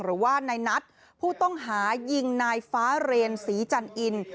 หรือว่านายนัทผู้ต้องหายิงนายฟ้าเรนศรีจันอิน